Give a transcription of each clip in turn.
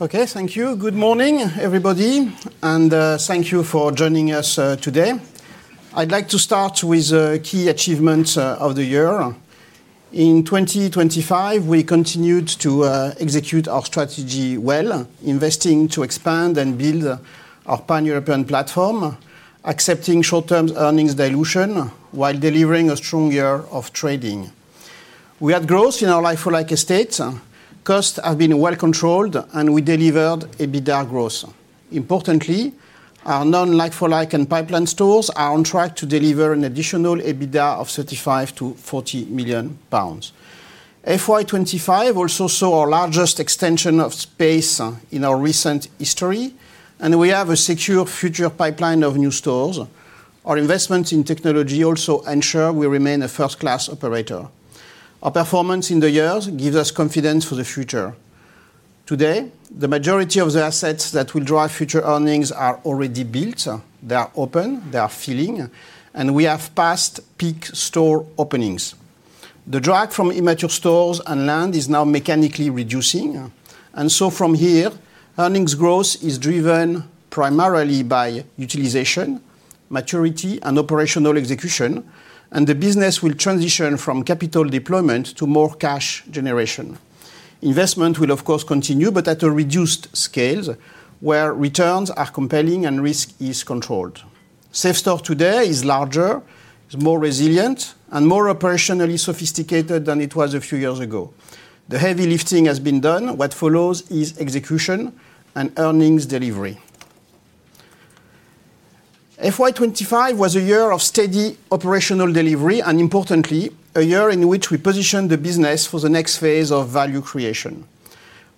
Okay, thank you. Good morning, everybody, and thank you for joining us today. I'd like to start with key achievements of the year. In 2025, we continued to execute our strategy well, investing to expand and build our pan-European platform, accepting short-term earnings dilution while delivering a strong year of trading. We had growth in our like-for-like estates, costs have been well controlled, and we delivered EBITDA growth. Importantly, our non-like-for-like and pipeline stores are on track to deliver an additional EBITDA of 35 million-40 million pounds. FY25 also saw our largest extension of space in our recent history, and we have a secure future pipeline of new stores. Our investments in technology also ensure we remain a first-class operator. Our performance in the years gives us confidence for the future. Today, the majority of the assets that will drive future earnings are already built. They are open, they are filling, and we have passed peak store openings. The drag from immature stores and land is now mechanically reducing, and so from here, earnings growth is driven primarily by utilization, maturity, and operational execution, and the business will transition from capital deployment to more cash generation. Investment will, of course, continue, but at a reduced scale where returns are compelling and risk is controlled. Safestore today is larger, is more resilient, and more operationally sophisticated than it was a few years ago. The heavy lifting has been done. What follows is execution and earnings delivery. FY25 was a year of steady operational delivery and, importantly, a year in which we positioned the business for the next phase of value creation.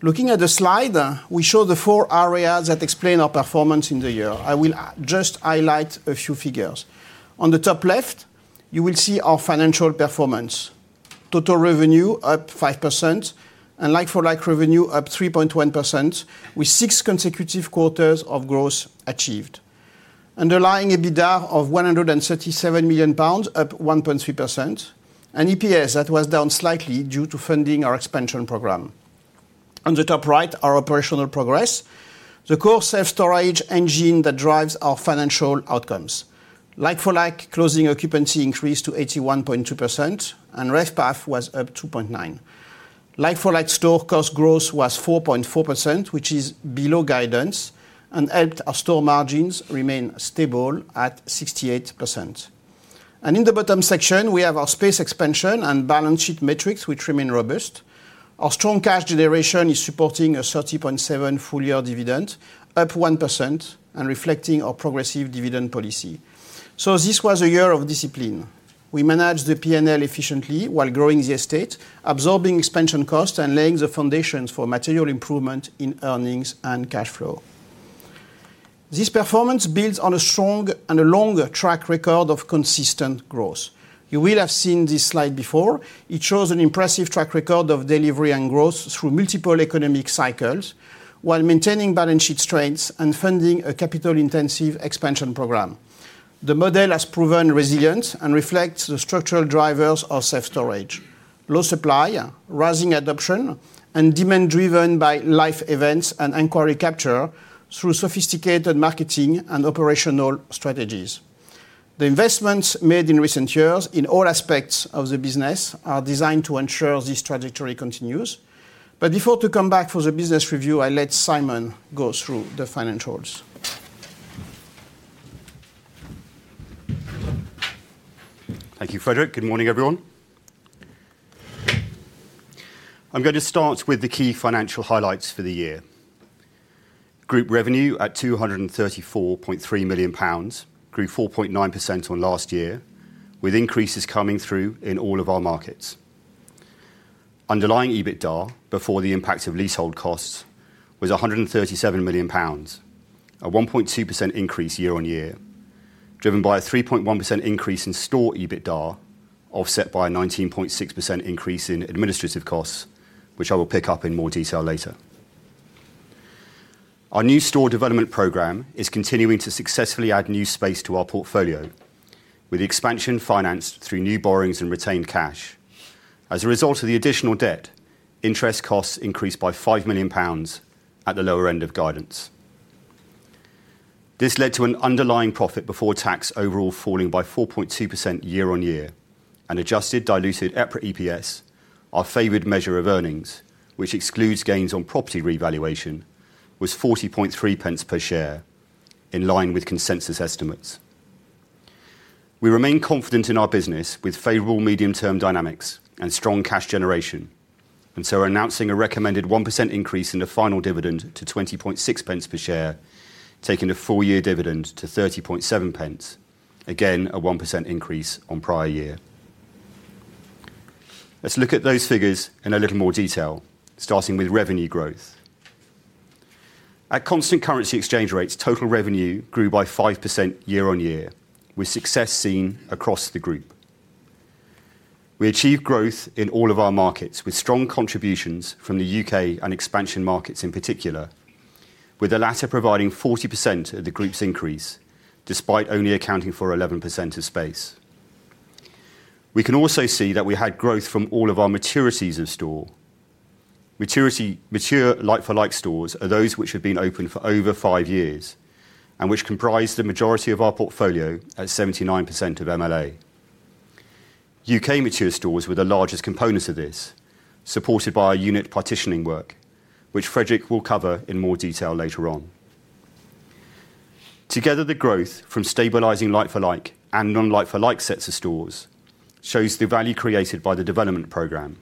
Looking at the slide, we show the four areas that explain our performance in the year. I will just highlight a few figures. On the top left, you will see our financial performance: total revenue up 5% and like-for-like revenue up 3.1%, with six consecutive quarters of growth achieved. Underlying EBITDA of 137 million pounds, up 1.3%, and EPS that was down slightly due to funding our expansion program. On the top right, our operational progress, the core self-storage engine that drives our financial outcomes. Like-for-like closing occupancy increased to 81.2%, and RevPAF was up 2.9%. Like-for-like store cost growth was 4.4%, which is below guidance, and helped our store margins remain stable at 68%. In the bottom section, we have our space expansion and balance sheet metrics, which remain robust. Our strong cash generation is supporting a 30.7 full-year dividend, up 1%, and reflecting our progressive dividend policy. This was a year of discipline. We managed the P&L efficiently while growing the estate, absorbing expansion costs and laying the foundations for material improvement in earnings and cash flow. This performance builds on a strong and a long track record of consistent growth. You will have seen this slide before. It shows an impressive track record of delivery and growth through multiple economic cycles while maintaining balance sheet strengths and funding a capital-intensive expansion program. The model has proven resilient and reflects the structural drivers of self-storage: low supply, rising adoption, and demand driven by life events and inquiry capture through sophisticated marketing and operational strategies. The investments made in recent years in all aspects of the business are designed to ensure this trajectory continues. But before to come back for the business review, I let Simon go through the financials. Thank you, Frederic. Good morning, everyone. I'm going to start with the key financial highlights for the year. Group revenue at 234.3 million pounds grew 4.9% on last year, with increases coming through in all of our markets. Underlying EBITDA before the impact of leasehold costs was 137 million pounds, a 1.2% increase year-on-year, driven by a 3.1% increase in store EBITDA, offset by a 19.6% increase in administrative costs, which I will pick up in more detail later. Our new store development program is continuing to successfully add new space to our portfolio, with the expansion financed through new borrowings and retained cash. As a result of the additional debt, interest costs increased by 5 million pounds at the lower end of guidance. This led to an underlying profit before tax overall falling by 4.2% year-on-year, and adjusted diluted EPS, our favored measure of earnings, which excludes gains on property revaluation, was 40.3 pence per share, in line with consensus estimates. We remain confident in our business with favorable medium-term dynamics and strong cash generation, and so are announcing a recommended 1% increase in the final dividend to 20.6 pence per share, taking the full-year dividend to 30.7 pence, again a 1% increase on prior year. Let's look at those figures in a little more detail, starting with revenue growth. At constant currency exchange rates, total revenue grew by 5% year-on-year, with success seen across the group. We achieved growth in all of our markets with strong contributions from the U.K. and expansion markets in particular, with the latter providing 40% of the group's increase, despite only accounting for 11% of space. We can also see that we had growth from all of our maturities of store. Mature like-for-like stores are those which have been open for over five years and which comprise the majority of our portfolio at 79% of MLA. U.K. mature stores were the largest components of this, supported by our unit partitioning work, which Frederic will cover in more detail later on. Together, the growth from stabilizing like-for-like and non-like-for-like sets of stores shows the value created by the development program,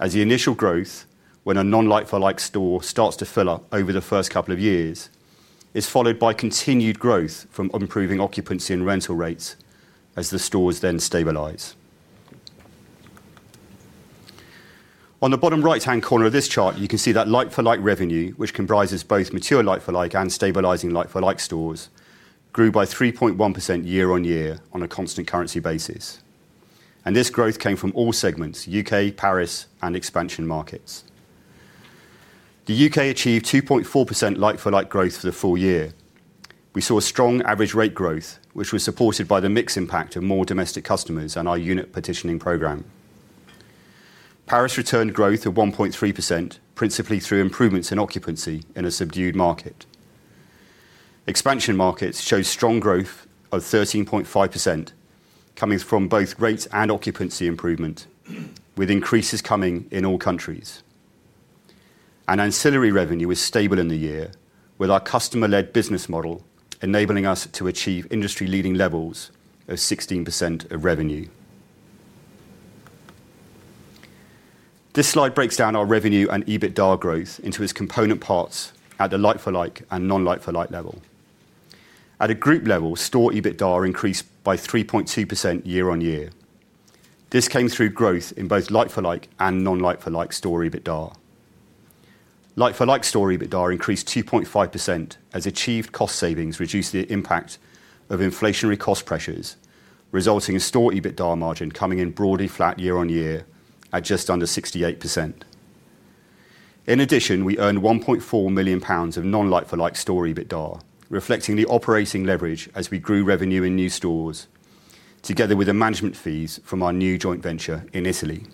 as the initial growth, when a non-like-for-like store starts to fill up over the first couple of years, is followed by continued growth from improving occupancy and rental rates as the stores then stabilize. On the bottom right-hand corner of this chart, you can see that like-for-like revenue, which comprises both mature like-for-like and stabilizing like-for-like stores, grew by 3.1% year-on-year on a constant currency basis, and this growth came from all segments: U.K., Paris, and expansion markets. The U.K. achieved 2.4% like-for-like growth for the full year. We saw a strong average rate growth, which was supported by the mixed impact of more domestic customers and our unit partitioning program. Paris returned growth of 1.3%, principally through improvements in occupancy in a subdued market. Expansion markets showed strong growth of 13.5%, coming from both rates and occupancy improvement, with increases coming in all countries, and ancillary revenue was stable in the year, with our customer-led business model enabling us to achieve industry-leading levels of 16% of revenue. This slide breaks down our revenue and EBITDA growth into its component parts at the like-for-like and non-like-for-like level. At a group level, store EBITDA increased by 3.2% year-on-year. This came through growth in both like-for-like and non-like-for-like store EBITDA. Like-for-like store EBITDA increased 2.5% as achieved cost savings reduced the impact of inflationary cost pressures, resulting in store EBITDA margin coming in broadly flat year-on-year at just under 68%. In addition, we earned 1.4 million pounds of non-like-for-like store EBITDA, reflecting the operating leverage as we grew revenue in new stores, together with the management fees from our new joint venture in Italy.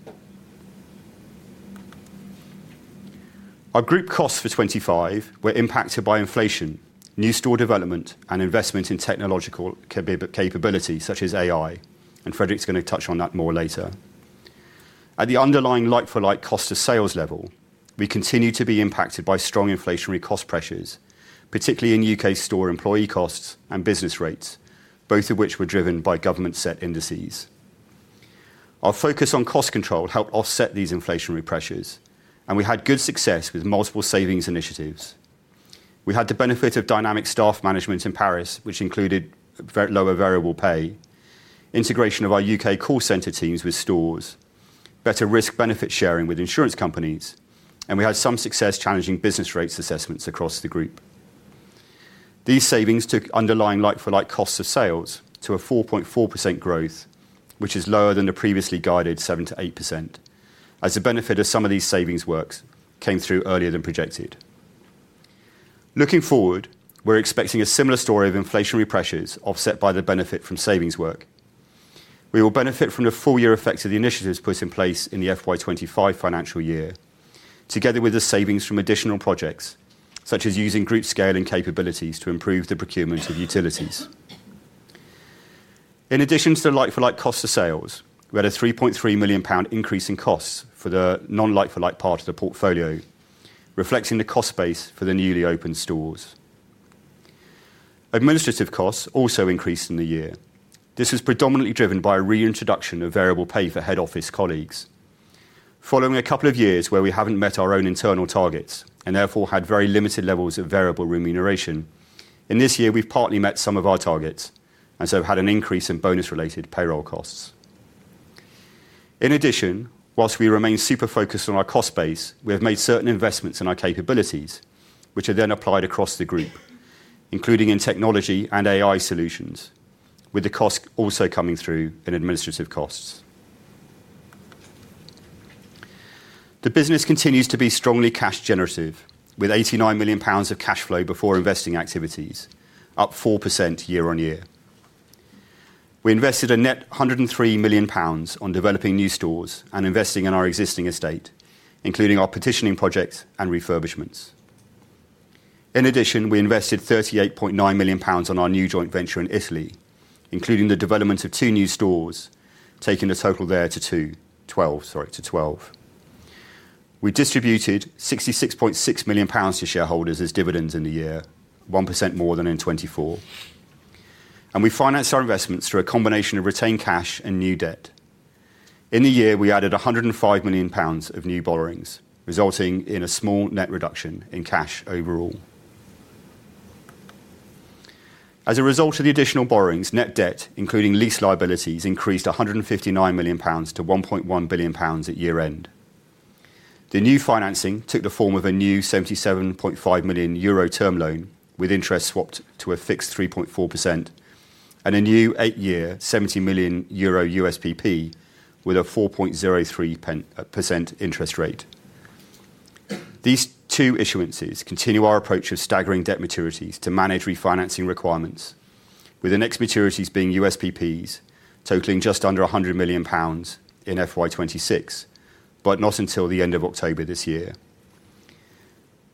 Our group costs for 2025 were impacted by inflation, new store development, and investment in technological capabilities such as AI, and Frederic's going to touch on that more later. At the underlying like-for-like cost of sales level, we continue to be impacted by strong inflationary cost pressures, particularly in U.K. store employee costs and business rates, both of which were driven by government-set indices. Our focus on cost control helped offset these inflationary pressures, and we had good success with multiple savings initiatives. We had the benefit of dynamic staff management in Paris, which included lower variable pay, integration of our U.K. call center teams with stores, better risk-benefit sharing with insurance companies, and we had some success challenging business rates assessments across the group. These savings took underlying like-for-like costs of sales to a 4.4% growth, which is lower than the previously guided 7%-8%, as the benefit of some of these savings works came through earlier than projected. Looking forward, we're expecting a similar story of inflationary pressures offset by the benefit from savings work. We will benefit from the full-year effect of the initiatives put in place in the FY25 financial year, together with the savings from additional projects, such as using group scaling capabilities to improve the procurement of utilities. In addition to the like-for-like costs of sales, we had a 3.3 million pound increase in costs for the non-like-for-like part of the portfolio, reflecting the cost base for the newly opened stores. Administrative costs also increased in the year. This was predominantly driven by a reintroduction of variable pay for head office colleagues. Following a couple of years where we haven't met our own internal targets and therefore had very limited levels of variable remuneration, in this year we've partly met some of our targets and so had an increase in bonus-related payroll costs. In addition, whilst we remain super focused on our cost base, we have made certain investments in our capabilities, which are then applied across the group, including in technology and AI solutions, with the costs also coming through in administrative costs. The business continues to be strongly cash generative, with 89 million pounds of cash flow before investing activities, up 4% year-on-year. We invested a net 103 million pounds on developing new stores and investing in our existing estate, including our partitioning projects and refurbishments. In addition, we invested 38.9 million pounds on our new joint venture in Italy, including the development of two new stores, taking the total there to two, 12, sorry, to 12. We distributed 66.6 million pounds to shareholders as dividends in the year, 1% more than in 2024. And we financed our investments through a combination of retained cash and new debt. In the year, we added 105 million pounds of new borrowings, resulting in a small net reduction in cash overall. As a result of the additional borrowings, net debt, including lease liabilities, increased 159 million-1.1 billion pounds at year-end. The new financing took the form of a new 77.5 million euro term loan with interest swapped to a fixed 3.4% and a new eight-year 70 million euro USPP with a 4.03% interest rate. These two issuances continue our approach of staggering debt maturities to manage refinancing requirements, with the next maturities being USPPs totaling just under 100 million pounds in FY26, but not until the end of October this year.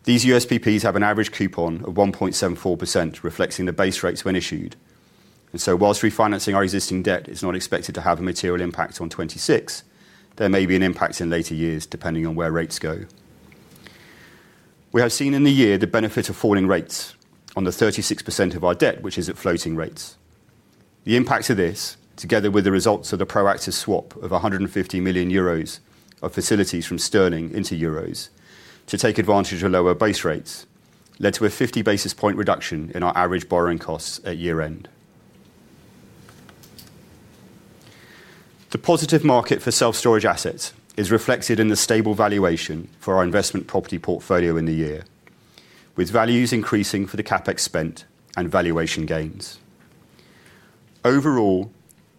These USPPs have an average coupon of 1.74%, reflecting the base rates when issued. And so whilst refinancing our existing debt is not expected to have a material impact on '26, there may be an impact in later years depending on where rates go. We have seen in the year the benefit of falling rates on the 36% of our debt, which is at floating rates. The impact of this, together with the results of the proactive swap of 150 million euros of facilities from Sterling into euros to take advantage of lower base rates, led to a 50 basis point reduction in our average borrowing costs at year-end. The positive market for self-storage assets is reflected in the stable valuation for our investment property portfolio in the year, with values increasing for the CapEx spent and valuation gains. Overall,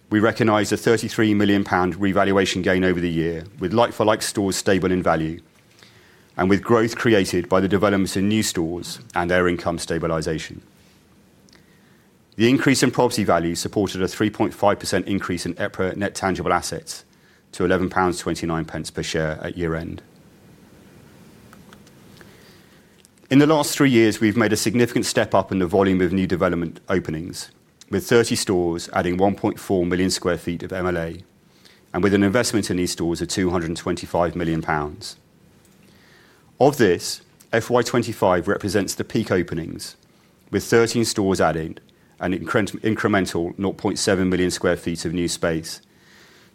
we recognize a 33 million pound revaluation gain over the year, with like-for-like stores stable in value and with growth created by the developments in new stores and their income stabilization. The increase in property value supported a 3.5% increase in net tangible assets to GBP 11.29 per share at year-end. In the last three years, we've made a significant step up in the volume of new development openings, with 30 stores adding 1.4 million sq ft of MLA and with an investment in these stores of 225 million pounds. Of this, FY25 represents the peak openings, with 13 stores adding an incremental 0.7 million sq ft of new space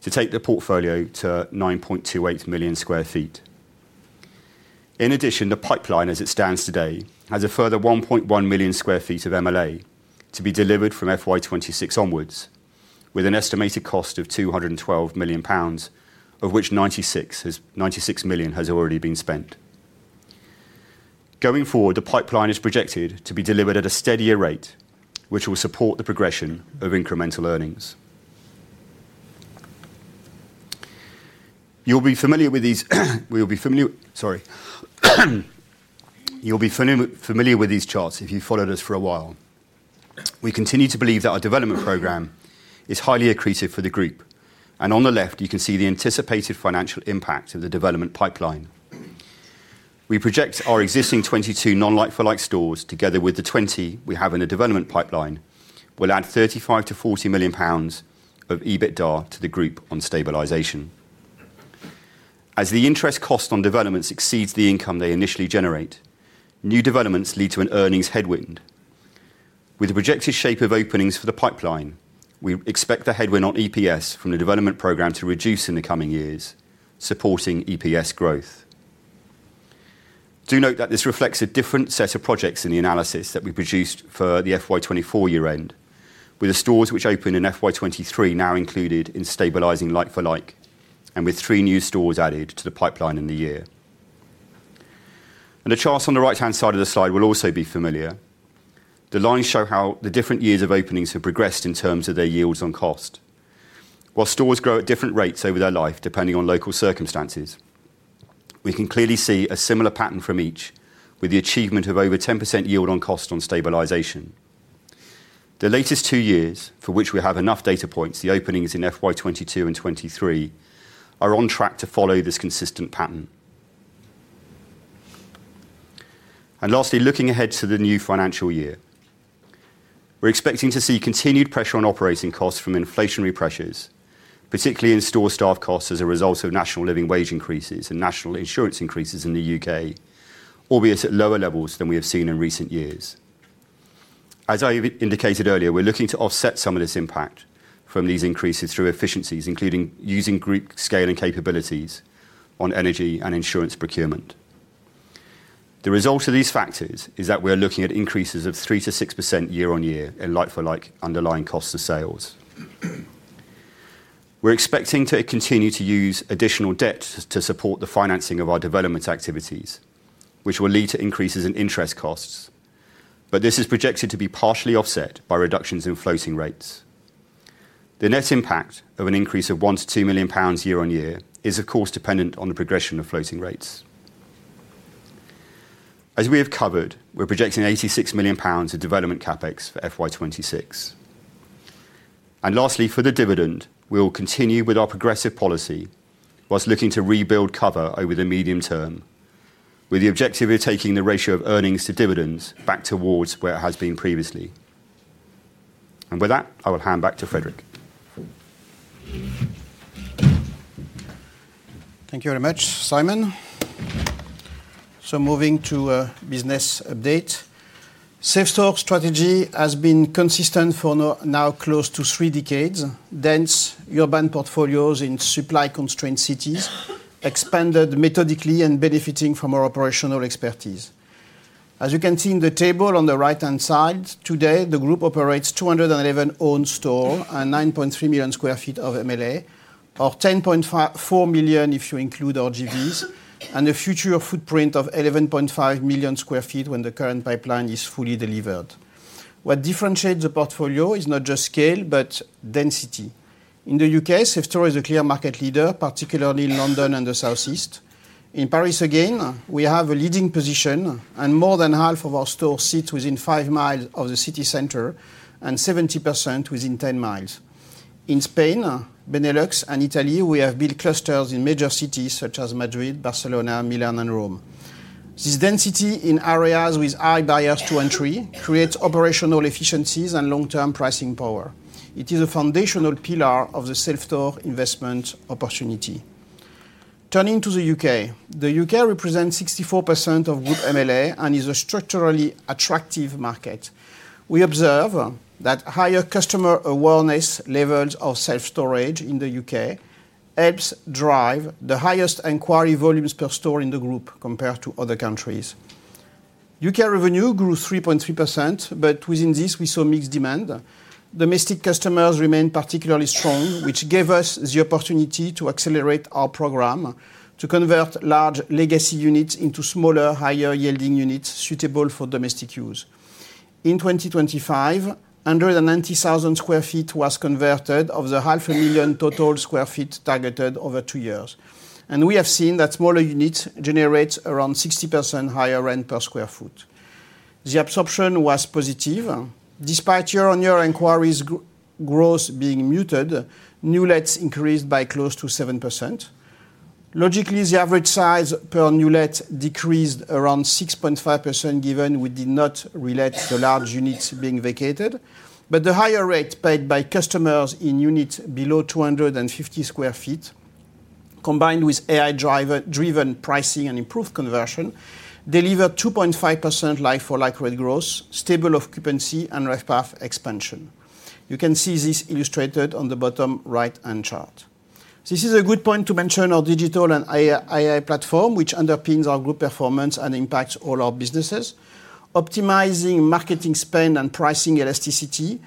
to take the portfolio to 9.28 million sq ft. In addition, the pipeline, as it stands today, has a further 1.1 million sq ft of MLA to be delivered from FY26 onwards, with an estimated cost of 212 million pounds, of which 96 million has already been spent. Going forward, the pipeline is projected to be delivered at a steadier rate, which will support the progression of incremental earnings. You'll be familiar with these, sorry. You'll be familiar with these charts if you've followed us for a while. We continue to believe that our development program is highly accretive for the group, and on the left, you can see the anticipated financial impact of the development pipeline. We project our existing 22 non-like-for-like stores, together with the 20 we have in the development pipeline, will add 35 million-40 million pounds of EBITDA to the group on stabilization. As the interest cost on developments exceeds the income they initially generate, new developments lead to an earnings headwind. With the projected shape of openings for the pipeline, we expect the headwind on EPS from the development program to reduce in the coming years, supporting EPS growth. Do note that this reflects a different set of projects in the analysis that we produced for the FY24 year-end, with the stores which opened in FY23 now included in stabilizing like-for-like and with three new stores added to the pipeline in the year. And the charts on the right-hand side of the slide will also be familiar. The lines show how the different years of openings have progressed in terms of their yields on cost. While stores grow at different rates over their life depending on local circumstances, we can clearly see a similar pattern from each, with the achievement of over 10% yield on cost on stabilisation. The latest two years, for which we have enough data points, the openings in FY 2022 and 2023 are on track to follow this consistent pattern. And lastly, looking ahead to the new financial year, we're expecting to see continued pressure on operating costs from inflationary pressures, particularly in store staff costs as a result of National Living Wage increases and National Insurance increases in the U.K., albeit at lower levels than we have seen in recent years. As I indicated earlier, we're looking to offset some of this impact from these increases through efficiencies, including using group scaling capabilities on energy and insurance procurement. The result of these factors is that we're looking at increases of 3%-6% year-on-year in like-for-like underlying costs of sales. We're expecting to continue to use additional debt to support the financing of our development activities, which will lead to increases in interest costs, but this is projected to be partially offset by reductions in floating rates. The net impact of an increase of 1 million-2 million pounds year-on-year is, of course, dependent on the progression of floating rates. As we have covered, we're projecting 86 million pounds of development CapEx for FY26. And lastly, for the dividend, we'll continue with our progressive policy whilst looking to rebuild cover over the medium term, with the objective of taking the ratio of earnings to dividends back towards where it has been previously. And with that, I will hand back to Frederic. Thank you very much, Simon. Moving to a business update. Safestore strategy has been consistent for now close to three decades. Dense urban portfolios in supply-constrained cities expanded methodically and benefiting from our operational expertise. As you can see in the table on the right-hand side, today the group operates 211 owned stores and 9.3 million sq ft of MLA, or 10.4 million if you include our JVs, and a future footprint of 11.5 million sq ft when the current pipeline is fully delivered. What differentiates the portfolio is not just scale, but density. In the U.K., Safestore is a clear market leader, particularly in London and the Southeast. In Paris again, we have a leading position, and more than half of our stores sit within five miles of the city center and 70% within 10 miles. In Spain, Benelux, and Italy, we have built clusters in major cities such as Madrid, Barcelona, Milan, and Rome. This density in areas with high barriers to entry creates operational efficiencies and long-term pricing power. It is a foundational pillar of the Safestore investment opportunity. Turning to the U.K., the U.K. represents 64% of group MLA and is a structurally attractive market. We observe that higher customer awareness levels of self-storage in the U.K. helps drive the highest inquiry volumes per store in the group compared to other countries. U.K. revenue grew 3.3%, but within this, we saw mixed demand. Domestic customers remained particularly strong, which gave us the opportunity to accelerate our program to convert large legacy units into smaller, higher-yielding units suitable for domestic use. In 2025, 190,000 sq ft was converted of the 500,000 sq ft total sq ft targeted over two years. We have seen that smaller units generate around 60% higher rent per sq ft. The absorption was positive. Despite year-on-year inquiries growth being muted, new lets increased by close to 7%. Logically, the average size per new let decreased around 6.5%, given we did not relet the large units being vacated. But the higher rate paid by customers in units below 250 sq ft, combined with AI-driven pricing and improved conversion, delivered 2.5% like-for-like rate growth, stable occupancy, and RevPAF expansion. You can see this illustrated on the bottom right-hand chart. This is a good point to mention our digital and AI platform, which underpins our group performance and impacts all our businesses. Optimizing marketing spend and pricing elasticity,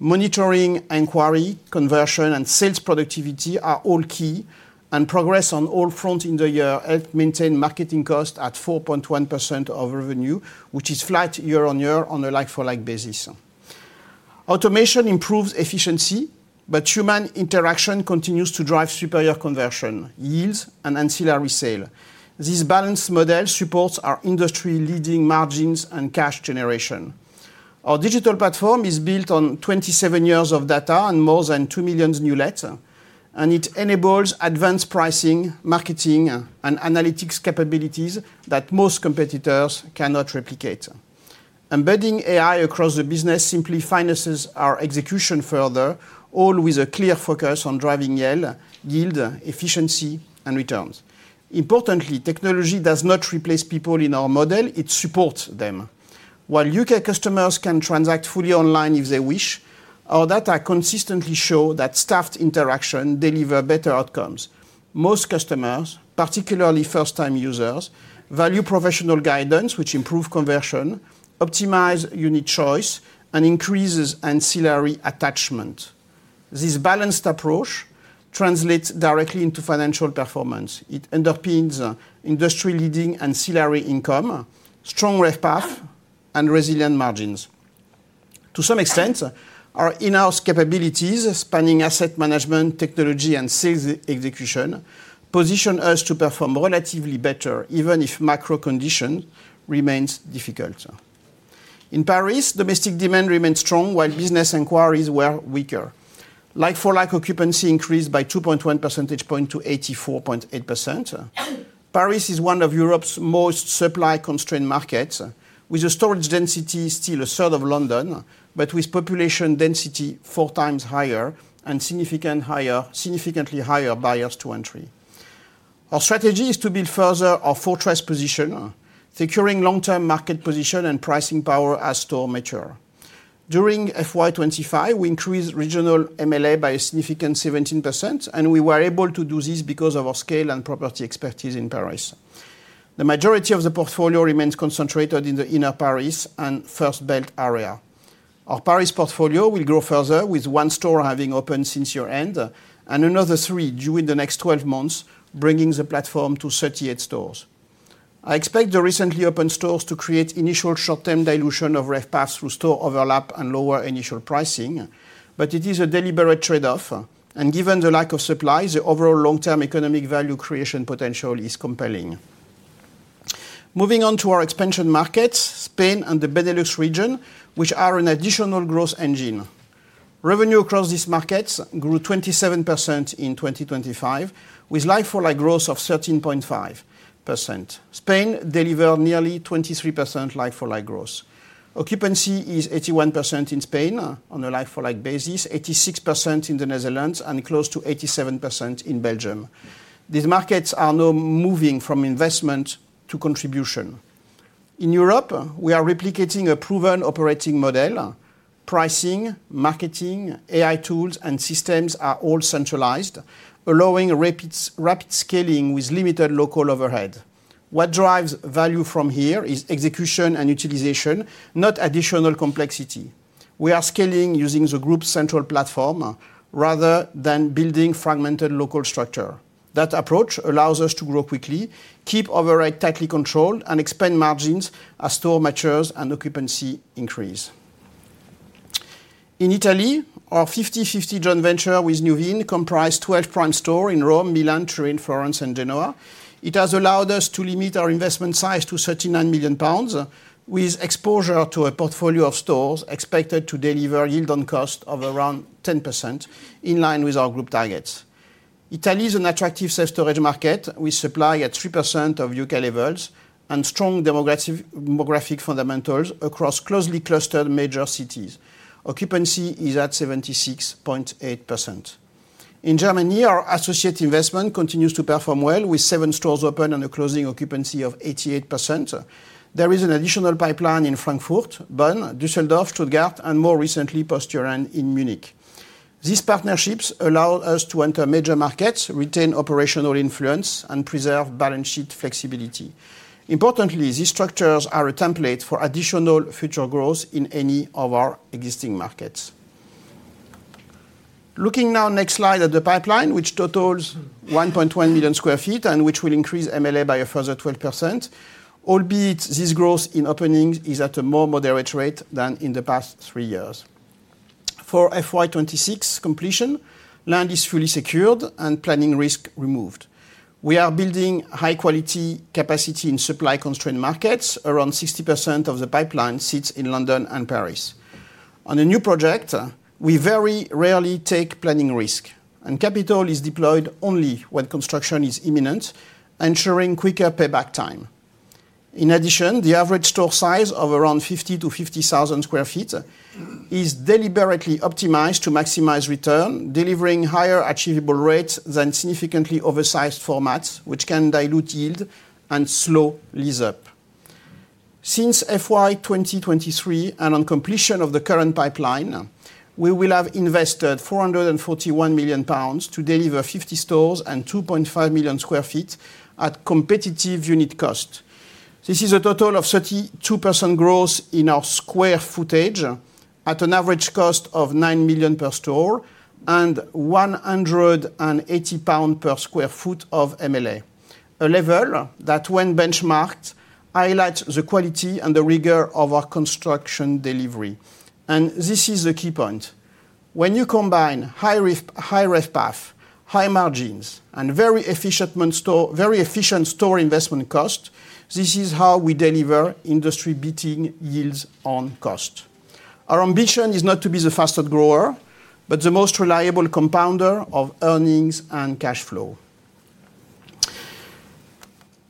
monitoring inquiry, conversion, and sales productivity are all key, and progress on all fronts in the year helped maintain marketing costs at 4.1% of revenue, which is flat year-on-year on a like-for-like basis. Automation improves efficiency, but human interaction continues to drive superior conversion, yields, and ancillary sales. This balanced model supports our industry-leading margins and cash generation. Our digital platform is built on 27 years of data and more than 2 million new lets, and it enables advanced pricing, marketing, and analytics capabilities that most competitors cannot replicate. Embedding AI across the business simply fine-tunes our execution further, all with a clear focus on driving yield, efficiency, and returns. Importantly, technology does not replace people in our model; it supports them. While U.K. customers can transact fully online if they wish, our data consistently show that staffed interaction delivers better outcomes. Most customers, particularly first-time users, value professional guidance, which improves conversion, optimizes unit choice, and increases ancillary attachment. This balanced approach translates directly into financial performance. It underpins industry-leading ancillary income, strong RevPAF, and resilient margins. To some extent, our in-house capabilities spanning asset management, technology, and sales execution position us to perform relatively better, even if macro condition remains difficult. In Paris, domestic demand remained strong, while business inquiries were weaker. Like-for-like occupancy increased by 2.1 percentage points to 84.8%. Paris is one of Europe's most supply-constrained markets, with a storage density still a third of London, but with population density four times higher and significantly higher barriers to entry. Our strategy is to build further our fortress position, securing long-term market position and pricing power as stores mature. During FY25, we increased regional MLA by a significant 17%, and we were able to do this because of our scale and property expertise in Paris. The majority of the portfolio remains concentrated in the inner Paris and first belt area. Our Paris portfolio will grow further, with one store having opened since year-end and another three during the next 12 months, bringing the platform to 38 stores. I expect the recently opened stores to create initial short-term dilution of RevPAF through store overlap and lower initial pricing, but it is a deliberate trade-off, and given the lack of supply, the overall long-term economic value creation potential is compelling. Moving on to our expansion markets, Spain and the Benelux region, which are an additional growth engine. Revenue across these markets grew 27% in 2025, with like-for-like growth of 13.5%. Spain delivered nearly 23% like-for-like growth. Occupancy is 81% in Spain on a like-for-like basis, 86% in the Netherlands, and close to 87% in Belgium. These markets are now moving from investment to contribution. In Europe, we are replicating a proven operating model. Pricing, marketing, AI tools, and systems are all centralized, allowing rapid scaling with limited local overhead. What drives value from here is execution and utilization, not additional complexity. We are scaling using the group's central platform rather than building fragmented local structure. That approach allows us to grow quickly, keep overhead tightly controlled, and expand margins as store matures and occupancy increases. In Italy, our 50/50 joint venture with Nuveen comprises 12 prime stores in Rome, Milan, Turin, Florence, and Genoa. It has allowed us to limit our investment size to 39 million pounds, with exposure to a portfolio of stores expected to deliver yield on cost of around 10%, in line with our group targets. Italy is an attractive self-storage market with supply at 3% of U.K. levels and strong demographic fundamentals across closely clustered major cities. Occupancy is at 76.8%. In Germany, our associate investment continues to perform well, with seven stores open and a closing occupancy of 88%. There is an additional pipeline in Frankfurt, Bonn, Düsseldorf, Stuttgart, and more recently, post year-end, in Munich. These partnerships allow us to enter major markets, retain operational influence, and preserve balance sheet flexibility. Importantly, these structures are a template for additional future growth in any of our existing markets. Looking now, next slide, at the pipeline, which totals 1.1 million sq ft and which will increase MLA by a further 12%, albeit this growth in openings is at a more moderate rate than in the past three years. For FY26 completion, land is fully secured and planning risk removed. We are building high-quality capacity in supply-constrained markets. Around 60% of the pipeline sits in London and Paris. On a new project, we very rarely take planning risk, and capital is deployed only when construction is imminent, ensuring quicker payback time. In addition, the average store size of around 50 sq ft-50,000 sq ft is deliberately optimized to maximize return, delivering higher achievable rates than significantly oversized formats, which can dilute yield and slow lease-up. Since FY2023 and on completion of the current pipeline, we will have invested 441 million pounds to deliver 50 stores and 2.5 million sq ft at competitive unit cost. This is a total of 32% growth in our square footage at an average cost of 9 million per store and 180 pounds per sq ft of MLA, a level that, when benchmarked, highlights the quality and the rigor of our construction delivery. And this is the key point. When you combine high RevPAF, high margins, and very efficient store investment cost, this is how we deliver industry-beating yields on cost. Our ambition is not to be the fastest grower, but the most reliable compounder of earnings and cash flow.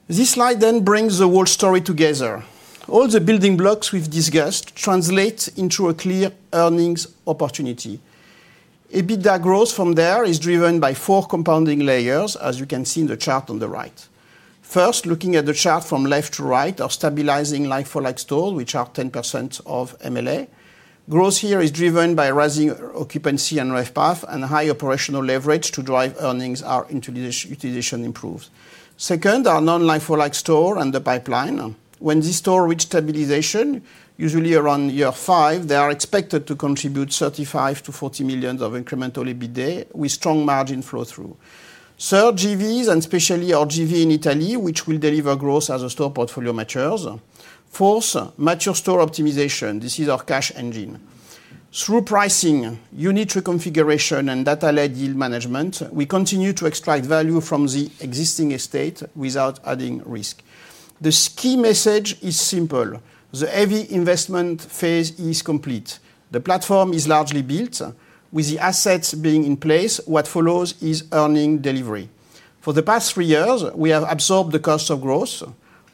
This slide then brings the whole story together. All the building blocks we've discussed translate into a clear earnings opportunity. EBITDA growth from there is driven by four compounding layers, as you can see in the chart on the right. First, looking at the chart from left to right, our stabilizing like-for-like stores, which are 10% of MLA. Growth here is driven by rising occupancy and RevPAF and high operational leverage to drive earnings. Our utilization improves. Second, our non-like-for-like stores and the pipeline. When these stores reach stabilization, usually around year five, they are expected to contribute 35 million-40 million of incremental EBITDA, with strong margin flow-through. Third, JVs, and especially the JV in Italy, which will deliver growth as a store portfolio matures. Fourth, mature store optimization. This is our cash engine. Through pricing, unit reconfiguration, and data-led yield management, we continue to extract value from the existing estate without adding risk. The key message is simple. The heavy investment phase is complete. The platform is largely built. With the assets being in place, what follows is earnings delivery. For the past three years, we have absorbed the cost of growth,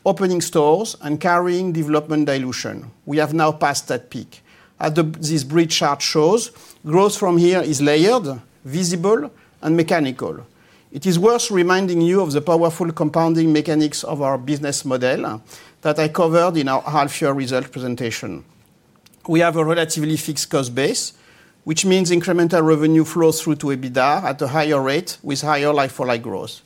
opening stores, and carrying development dilution. We have now passed that peak. As this bridge chart shows, growth from here is layered, visible, and mechanical. It is worth reminding you of the powerful compounding mechanics of our business model that I covered in our half-year results presentation. We have a relatively fixed cost base, which means incremental revenue flow-through to EBITDA at a higher rate with higher like-for-like growth.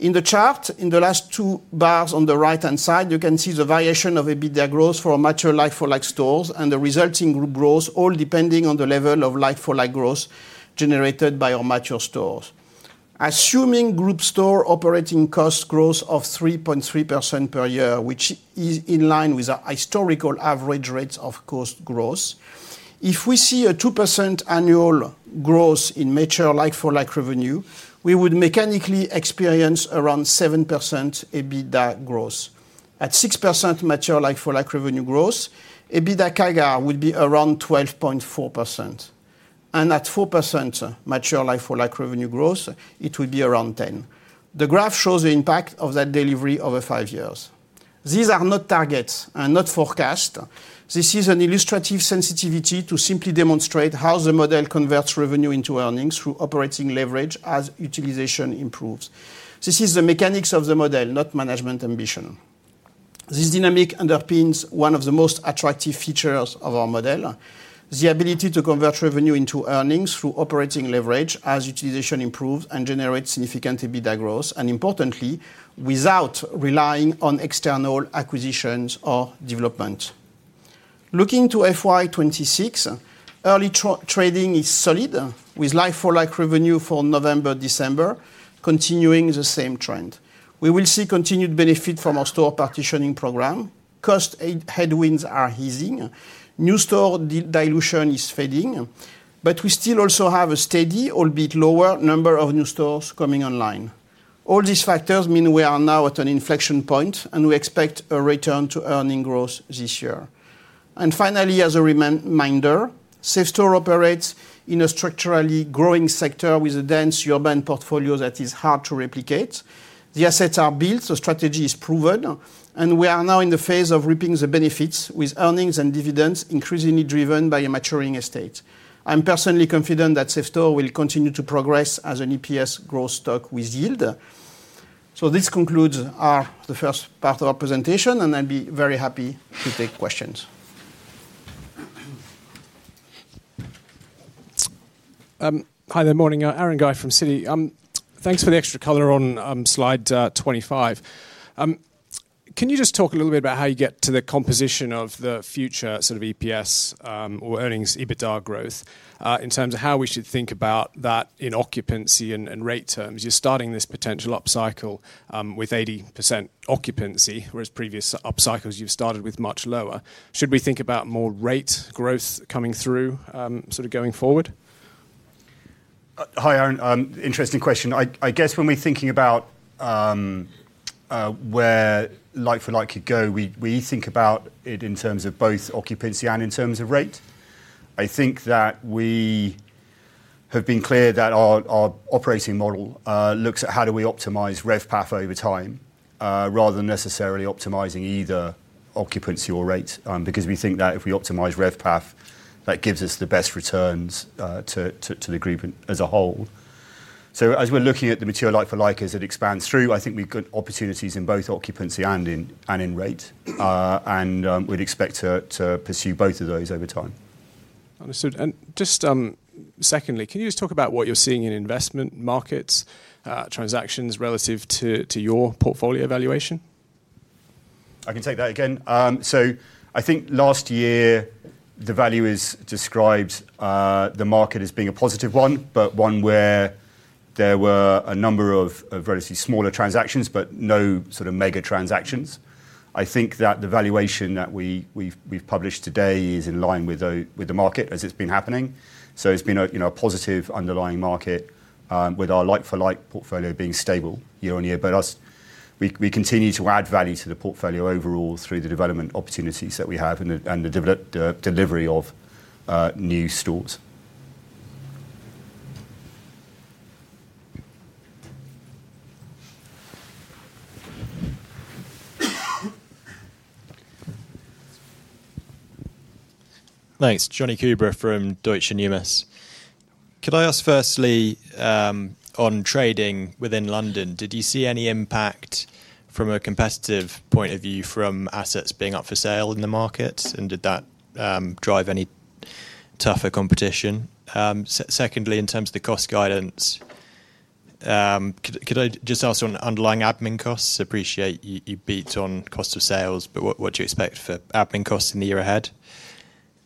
In the chart, in the last two bars on the right-hand side, you can see the variation of EBITDA growth for mature like-for-like stores and the resulting group growth, all depending on the level of like-for-like growth generated by our mature stores. Assuming group store operating cost growth of 3.3% per year, which is in line with our historical average rates of cost growth, if we see a 2% annual growth in mature like-for-like revenue, we would mechanically experience around 7% EBITDA growth. At 6% mature like-for-like revenue growth, EBITDA CAGR would be around 12.4%. And at 4% mature like-for-like revenue growth, it would be around 10%. The graph shows the impact of that delivery over five years. These are not targets and not forecasts. This is an illustrative sensitivity to simply demonstrate how the model converts revenue into earnings through operating leverage as utilization improves. This is the mechanics of the model, not management ambition. This dynamic underpins one of the most attractive features of our model: the ability to convert revenue into earnings through operating leverage as utilization improves and generates significant EBITDA growth, and importantly, without relying on external acquisitions or development. Looking to FY26, early trading is solid, with like-for-like revenue for November-December continuing the same trend. We will see continued benefit from our store partitioning program. Cost headwinds are easing. New store dilution is fading, but we still also have a steady, albeit lower, number of new stores coming online. All these factors mean we are now at an inflection point, and we expect a return to earning growth this year. And finally, as a reminder, Safestore operates in a structurally growing sector with a dense urban portfolio that is hard to replicate. The assets are built, the strategy is proven, and we are now in the phase of reaping the benefits, with earnings and dividends increasingly driven by a maturing estate. I'm personally confident that Safestore will continue to progress as an EPS growth stock with yield. So this concludes the first part of our presentation, and I'll be very happy to take questions. Hi, good morning. Aaron Guy from Citi. Thanks for the extra color on slide 25. Can you just talk a little bit about how you get to the composition of the future sort of EPS or earnings EBITDA growth in terms of how we should think about that in occupancy and rate terms? You're starting this potential upcycle with 80% occupancy, whereas previous upcycles you've started with much lower. Should we think about more rate growth coming through sort of going forward? Hi, Aaron. Interesting question. I guess when we're thinking about where like-for-like could go, we think about it in terms of both occupancy and in terms of rate. I think that we have been clear that our operating model looks at how do we optimize RevPAF over time rather than necessarily optimizing either occupancy or rate, because we think that if we optimize RevPAF, that gives us the best returns to the group as a whole. So as we're looking at the mature like-for-like as it expands through, I think we've got opportunities in both occupancy and in rate, and we'd expect to pursue both of those over time. Understood. And just secondly, can you just talk about what you're seeing in investment markets transactions relative to your portfolio valuation? I can take that again. So I think last year we described the market as being a positive one, but one where there were a number of relatively smaller transactions, but no sort of mega transactions. I think that the valuation that we've published today is in line with the market as it's been happening. So it's been a positive underlying market with our like-for-like portfolio being stable year-on-year. But we continue to add value to the portfolio overall through the development opportunities that we have and the delivery of new stores. Thanks. Jonny Coubrough from Deutsche Numis. Could I ask firstly, on trading within London, did you see any impact from a competitive point of view from assets being up for sale in the market, and did that drive any tougher competition? Secondly, in terms of the cost guidance, could I just ask on underlying admin costs? Appreciate you beat on cost of sales, but what do you expect for admin costs in the year ahead?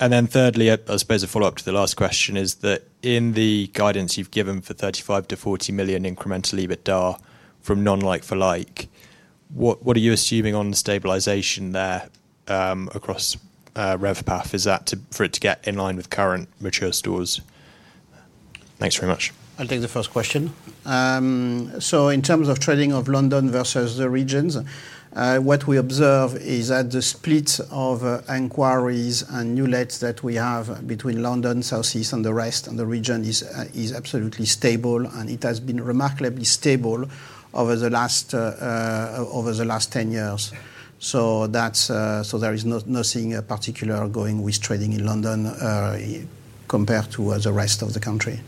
And then thirdly, I suppose a follow-up to the last question is that in the guidance you've given for 35 million-40 million incremental EBITDA from non-like-for-like, what are you assuming on the stabilisation there across RevPAF? Is that for it to get in line with current mature stores? Thanks very much. I'll take the first question. So in terms of trading of London versus the regions, what we observe is that the split of inquiries and new lettings that we have between London, Southeast, and the rest of the region is absolutely stable, and it has been remarkably stable over the last 10 years. So there is nothing particular going with trading in London compared to the rest of the country.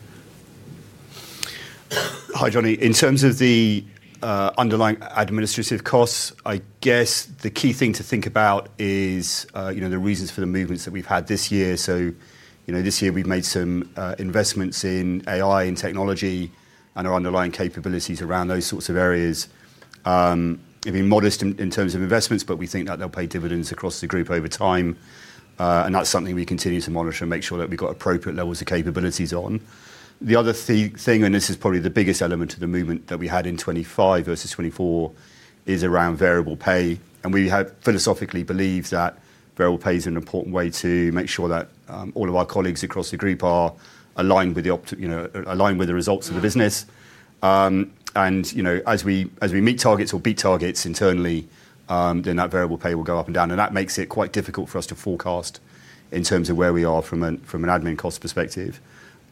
Hi, Jonny. In terms of the underlying administrative costs, I guess the key thing to think about is the reasons for the movements that we've had this year. So this year, we've made some investments in AI and technology and our underlying capabilities around those sorts of areas. It'd be modest in terms of investments, but we think that they'll pay dividends across the group over time. And that's something we continue to monitor and make sure that we've got appropriate levels of capabilities on. The other thing, and this is probably the biggest element of the movement that we had in 2025 versus 2024, is around variable pay. And we philosophically believe that variable pay is an important way to make sure that all of our colleagues across the group are aligned with the results of the business. As we meet targets or beat targets internally, then that variable pay will go up and down. And that makes it quite difficult for us to forecast in terms of where we are from an admin cost perspective.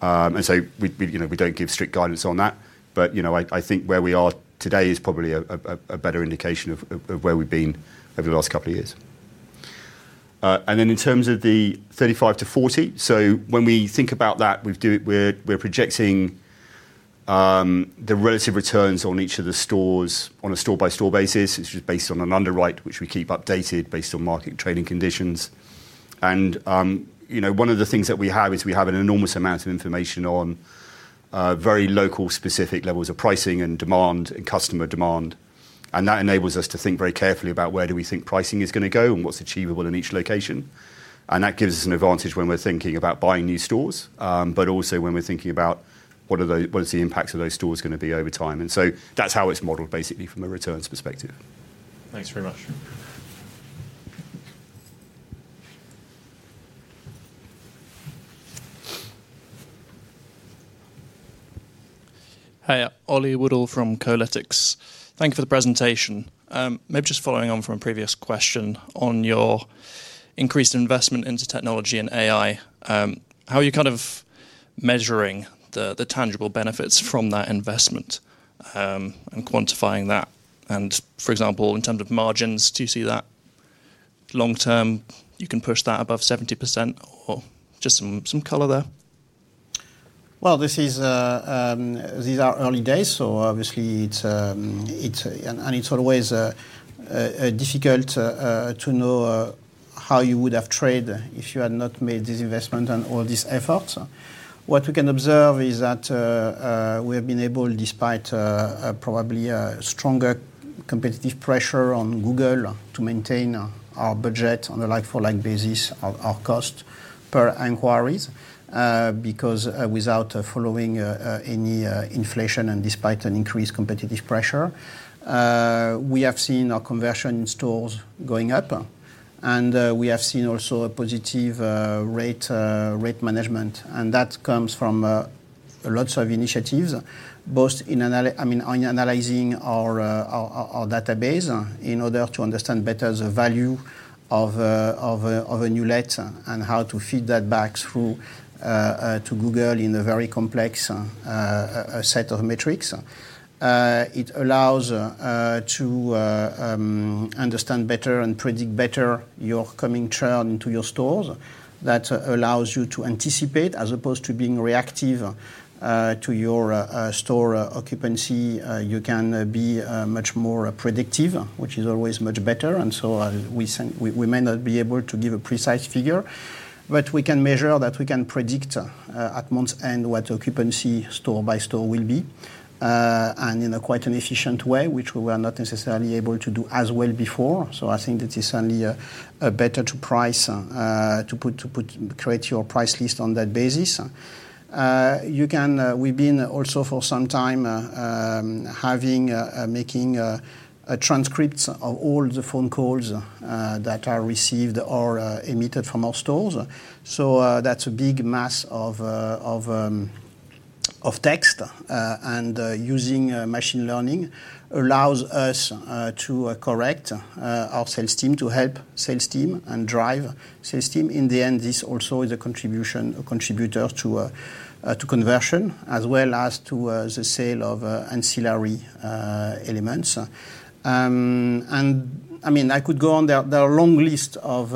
And so we don't give strict guidance on that. But I think where we are today is probably a better indication of where we've been over the last couple of years. And then in terms of the 35-40, so when we think about that, we're projecting the relative returns on each of the stores on a store-by-store basis. It's just based on an underwrite, which we keep updated based on market trading conditions. And one of the things that we have is we have an enormous amount of information on very local-specific levels of pricing and demand and customer demand. And that enables us to think very carefully about where do we think pricing is going to go and what's achievable in each location. And that gives us an advantage when we're thinking about buying new stores, but also when we're thinking about what's the impact of those stores going to be over time. And so that's how it's modeled, basically, from a returns perspective. Thanks very much. Hi, Oli Woodall from Kolytics. Thank you for the presentation. Maybe just following on from a previous question on your increased investment into technology and AI, how are you kind of measuring the tangible benefits from that investment and quantifying that? And for example, in terms of margins, do you see that long-term you can push that above 70% or just some color there? These are early days, so obviously, and it's always difficult to know how you would have traded if you had not made this investment and all these efforts. What we can observe is that we have been able, despite probably stronger competitive pressure on Google, to maintain our budget on a like-for-like basis, our cost per inquiries, because without following any inflation and despite an increased competitive pressure, we have seen our conversion in stores going up. We have seen also a positive rate management. That comes from lots of initiatives, both in analyzing our database in order to understand better the value of a new letting and how to feed that back through to Google in a very complex set of metrics. It allows to understand better and predict better your coming churn into your stores that allows you to anticipate, as opposed to being reactive to your store occupancy. You can be much more predictive, which is always much better. And so we may not be able to give a precise figure, but we can measure that we can predict at month's end what occupancy store by store will be and in a quite an efficient way, which we were not necessarily able to do as well before. So I think that it's certainly better to create your price list on that basis. We've been also for some time making transcripts of all the phone calls that are received or emitted from our stores. So that's a big mass of text. And using machine learning allows us to correct our sales team to help sales team and drive sales team. In the end, this also is a contributor to conversion as well as to the sale of ancillary elements. And I could go on. There are a long list of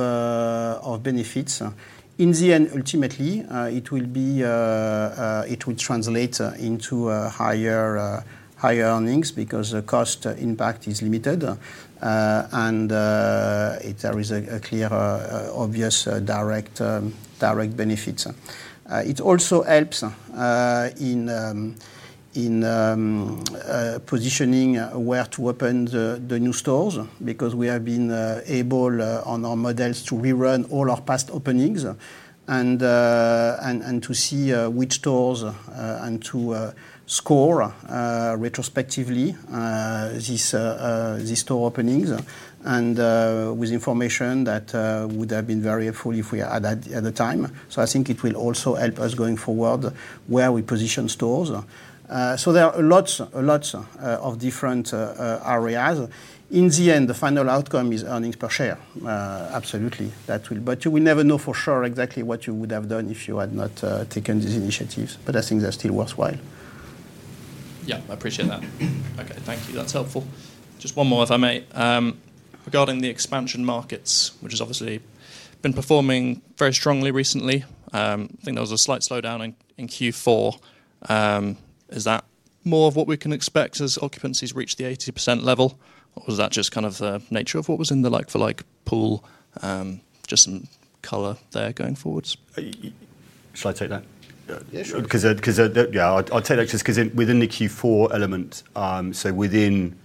benefits. In the end, ultimately, it will translate into higher earnings because the cost impact is limited. And there is a clear, obvious direct benefit. It also helps in positioning where to open the new stores because we have been able on our models to rerun all our past openings and to see which stores and to score retrospectively these store openings with information that would have been very helpful if we had that at the time. So I think it will also help us going forward where we position stores. So there are lots of different areas. In the end, the final outcome is earnings per share. Absolutely. But you will never know for sure exactly what you would have done if you had not taken these initiatives. But I think they're still worthwhile. Yeah, I appreciate that. Okay, thank you. That's helpful. Just one more, if I may, regarding the expansion markets, which has obviously been performing very strongly recently. I think there was a slight slowdown in Q4. Is that more of what we can expect as occupancies reach the 80% level, or is that just kind of the nature of what was in the like-for-like pool? Just some color there going forwards. Shall I take that? Yeah, sure. Yeah, I'll take that just because within the Q4 element, so within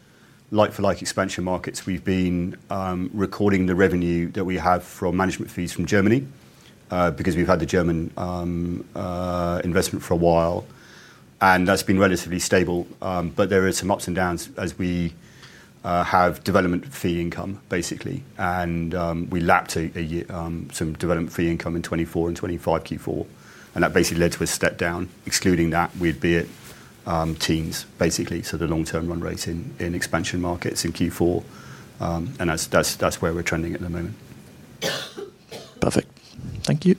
like-for-like expansion markets, we've been recording the revenue that we have from management fees from Germany because we've had the German investment for a while. And that's been relatively stable. But there are some ups and downs as we have development fee income, basically. And we lapped some development fee income in 2024 and 2025 Q4. And that basically led to a step down. Excluding that, we'd be at teens, basically. So the long-term run rates in expansion markets in Q4. And that's where we're trending at the moment. Perfect. Thank you.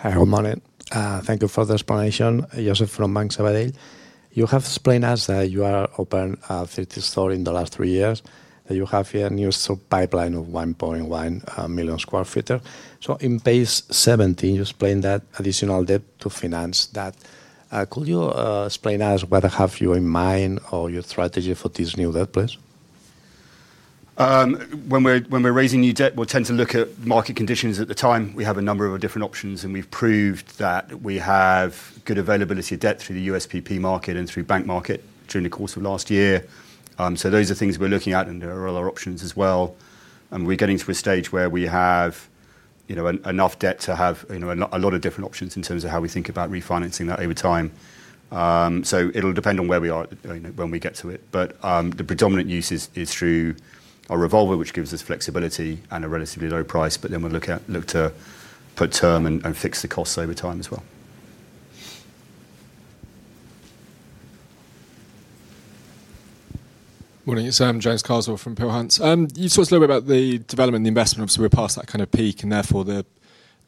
Hi, good morning. Thank you for the explanation. Joseph from Banco Sabadell. You have explained to us that you are opening 30 stores in the last three years, that you have here a new pipeline of 1.1 million sq ft. So in FY 17, you explained that additional debt to finance that. Could you explain to us what have you in mind or your strategy for this new debt, please? When we're raising new debt, we'll tend to look at market conditions at the time. We have a number of different options, and we've proved that we have good availability of debt through the USPP market and through bank market during the course of last year. So those are things we're looking at, and there are other options as well. We're getting to a stage where we have enough debt to have a lot of different options in terms of how we think about refinancing that over time. It'll depend on where we are when we get to it. The predominant use is through our revolver, which gives us flexibility and a relatively low price. We'll look to put term and fix the costs over time as well. Morning. It's James Carswell from Peel Hunt. You talked a little bit about the development, the investment. Obviously, we're past that kind of peak, and therefore the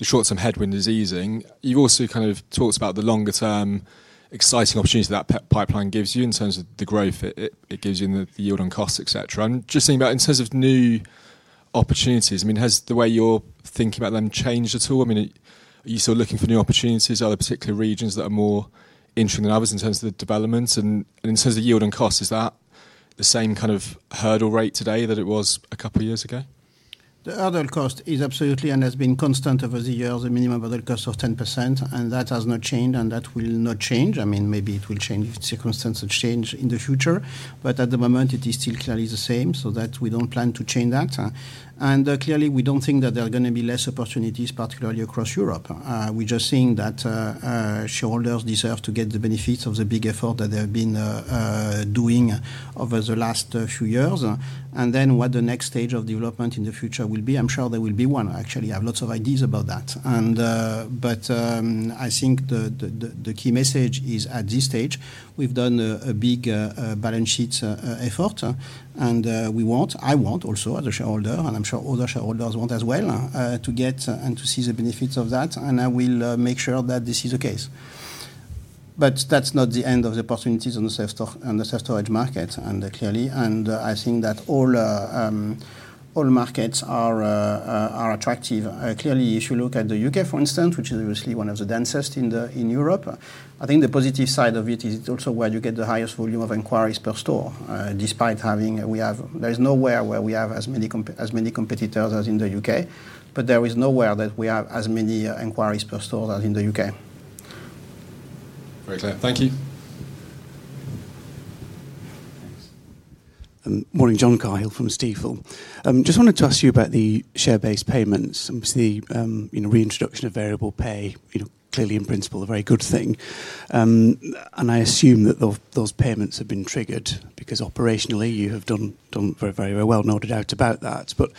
short-term headwind is easing. You've also kind of talked about the longer-term exciting opportunity that pipeline gives you in terms of the growth it gives you in the yield on cost, etc. I'm just thinking about in terms of new opportunities. I mean, has the way you're thinking about them changed at all? I mean, are you still looking for new opportunities? Are there particular regions that are more interesting than others in terms of the developments? And in terms of yield on cost, is that the same kind of hurdle rate today that it was a couple of years ago? The hurdle rate is absolutely and has been constant over the years. The minimum hurdle rate of 10%, and that has not changed, and that will not change. I mean, maybe it will change if circumstances change in the future. But at the moment, it is still clearly the same, so that we don't plan to change that. And clearly, we don't think that there are going to be less opportunities, particularly across Europe. We're just seeing that shareholders deserve to get the benefits of the big effort that they've been doing over the last few years. And then what the next stage of development in the future will be, I'm sure there will be one. I actually have lots of ideas about that. But I think the key message is at this stage, we've done a big balance sheet effort, and we want, I want also, as a shareholder, and I'm sure other shareholders want as well, to get and to see the benefits of that. And I will make sure that this is the case. But that's not the end of the opportunities on the self-storage market, clearly. And I think that all markets are attractive. Clearly, if you look at the U.K., for instance, which is obviously one of the densest in Europe, I think the positive side of it is it's also where you get the highest volume of inquiries per store. Despite having there is nowhere where we have as many competitors as in the U.K., but there is nowhere that we have as many inquiries per stores as in the U.K.. Very clear. Thank you. Morning, John Cahill from Stifel. Just wanted to ask you about the share-based payments. Obviously, the reintroduction of variable pay clearly, in principle, a very good thing. And I assume that those payments have been triggered because operationally, you have done very, very well. No doubt about that. But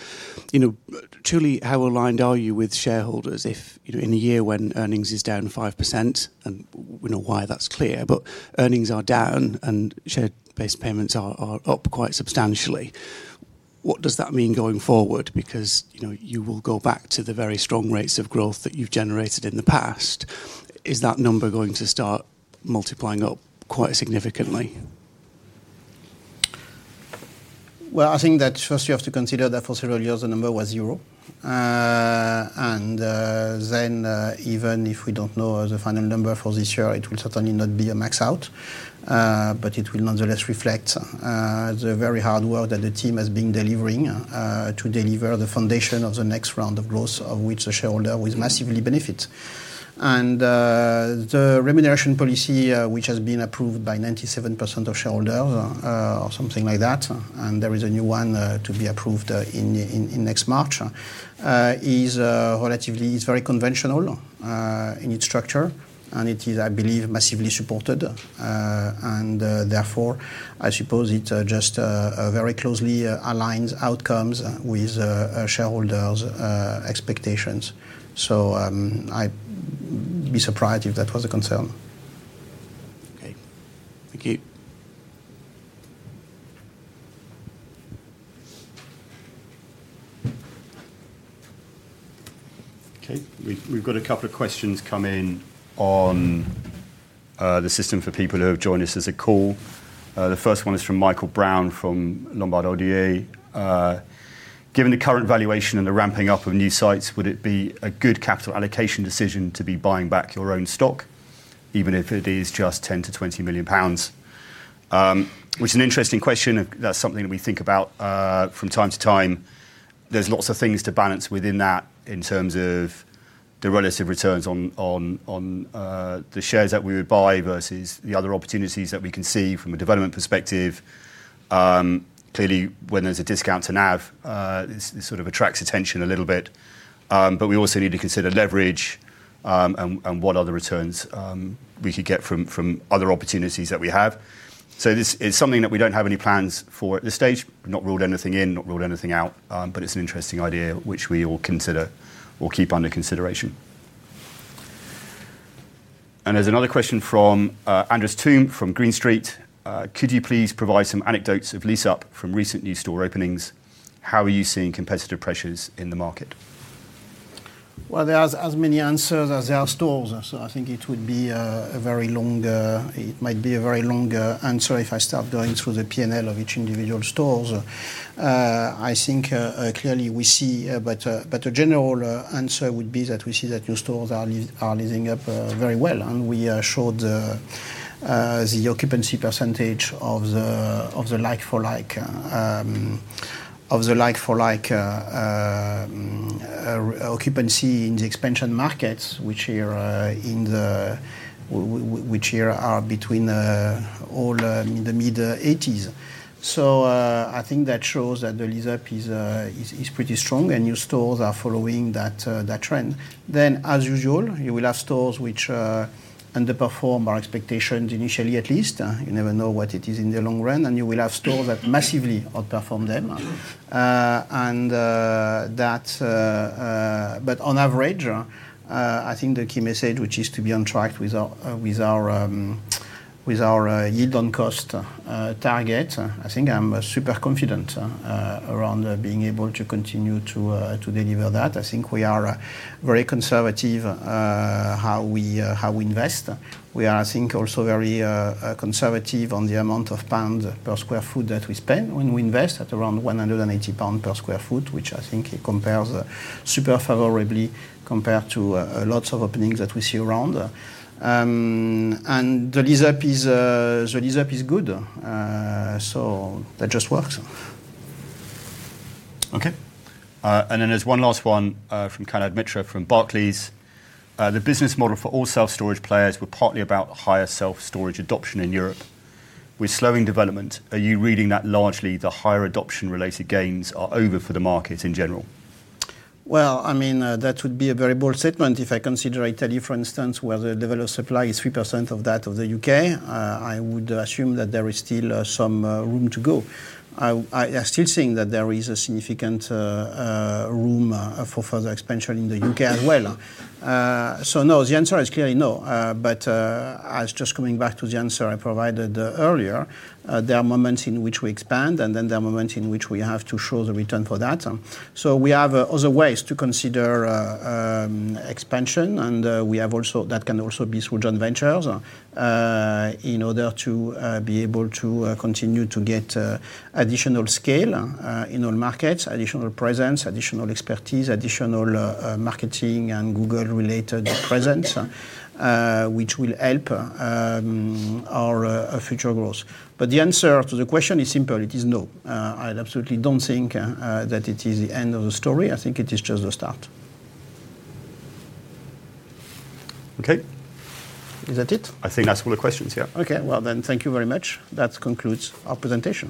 truly, how aligned are you with shareholders if in a year when earnings is down 5%, and we know why that's clear, but earnings are down and share-based payments are up quite substantially? What does that mean going forward? Because you will go back to the very strong rates of growth that you've generated in the past. Is that number going to start multiplying up quite significantly? Well, I think that first you have to consider that for several years, the number was zero. And then even if we don't know the final number for this year, it will certainly not be a max out. But it will nonetheless reflect the very hard work that the team has been delivering to deliver the foundation of the next round of growth, of which the shareholder will massively benefit. And the remuneration policy, which has been approved by 97% of shareholders or something like that, and there is a new one to be approved in next March, is very conventional in its structure. And it is, I believe, massively supported. And therefore, I suppose it just very closely aligns outcomes with shareholders' expectations. So I'd be surprised if that was a concern. Okay. Thank you. Okay. We've got a couple of questions come in on the system for people who have joined us on the call. The first one is from Michael Brown from Lombard Odier. Given the current valuation and the ramping up of new sites, would it be a good capital allocation decision to be buying back your own stock, even if it is just 10 million-20 million pounds? Which is an interesting question. That's something we think about from time to time. There's lots of things to balance within that in terms of the relative returns on the shares that we would buy versus the other opportunities that we can see from a development perspective. Clearly, when there's a discount to NAV, this sort of attracts attention a little bit. But we also need to consider leverage and what other returns we could get from other opportunities that we have. So it's something that we don't have any plans for at this stage. We've not ruled anything in, not ruled anything out. But it's an interesting idea, which we will consider or keep under consideration. And there's another question from Andres Toome from Green Street. Could you please provide some anecdotes of lease-up from recent new store openings? How are you seeing competitive pressures in the market? Well, there are as many answers as there are stores. So I think it would be a very long. It might be a very long answer if I start going through the P&L of each individual stores. I think clearly we see, but a general answer would be that we see that new stores are leasing up very well. And we showed the occupancy percentage of the like-for-like occupancy in the expansion markets, which here are between all in the mid-80s. So I think that shows that the lease-up is pretty strong and new stores are following that trend. Then, as usual, you will have stores which underperform our expectations initially, at least. You never know what it is in the long run. And you will have stores that massively outperform them. But on average, I think the key message, which is to be on track with our yield on cost target, I think I'm super confident around being able to continue to deliver that. I think we are very conservative how we invest. We are, I think, also very conservative on the amount of GBP per sq ft that we spend when we invest at around 180 pounds per sq ft, which I think compares super favorably compared to lots of openings that we see around. And the lease-up is good. So that just works. Okay. And then there's one last one from Kanad Mitra from Barclays. The business model for all self-storage players will partly about higher self-storage adoption in Europe. With slowing development, are you reading that largely the higher adoption-related gains are over for the market in general? Well, I mean, that would be a very bold statement. If I consider Italy, for instance, where the level of supply is 3% of that of the U.K., I would assume that there is still some room to go. I still think that there is a significant room for further expansion in the U.K. as well. So no, the answer is clearly no. But as just coming back to the answer I provided earlier, there are moments in which we expand, and then there are moments in which we have to show the return for that. So we have other ways to consider expansion. And that can also be through joint ventures in order to be able to continue to get additional scale in all markets, additional presence, additional expertise, additional marketing and Google-related presence, which will help our future growth. But the answer to the question is simple. It is no. I absolutely don't think that it is the end of the story. I think it is just the start. Okay. Is that it? I think that's all the questions, yeah. Okay. Well, then thank you very much. That concludes our presentation.